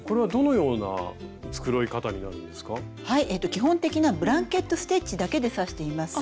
基本的なブランケット・ステッチだけで刺しています。